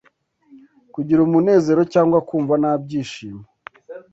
Kugira umunezero cyangwa kumva nta byishimo